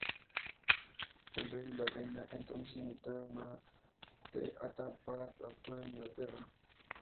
El rey y la reina entonces invitaron a Te Ata para actuar en Inglaterra.